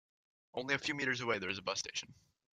Only a few meters away there is a bus station.